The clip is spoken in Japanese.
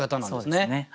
そうですね。